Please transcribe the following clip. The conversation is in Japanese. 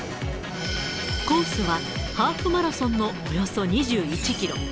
コースは、ハーフマラソンのおよそ２１キロ。